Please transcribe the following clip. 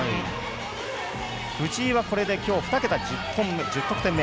藤井はこれで２桁、１０得点目。